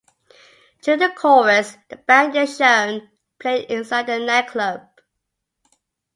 During the chorus, the band is shown playing inside a night club.